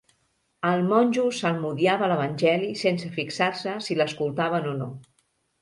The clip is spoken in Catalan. El monjo salmodiava l'evangeli sense fixar-se si l'escoltaven o no.